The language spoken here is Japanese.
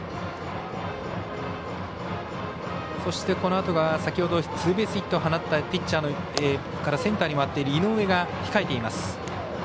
そして、このあとが先ほどツーベースヒットを放ったピッチャーからセンターに回っている井上が控えています。